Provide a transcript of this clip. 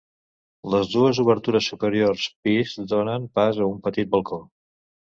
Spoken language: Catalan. Les dues obertures superiors pis donen pas a un petit balcó.